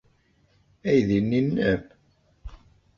Aydi-nni nnem?